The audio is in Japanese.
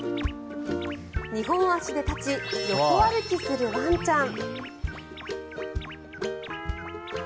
二本足で立ち横歩きするワンちゃん。